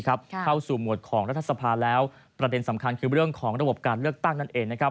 เข้าสู่หมวดของรัฐสภาแล้วประเด็นสำคัญคือเรื่องของระบบการเลือกตั้งนั่นเองนะครับ